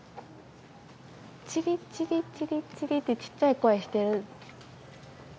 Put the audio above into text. チリチリチリって小っちゃい声してる。